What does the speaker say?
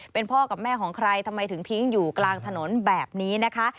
เป็นพ่อกับแม่ของใครทำไมถึงทิ้งอยู่กลางถนนแบบนี้นะคะ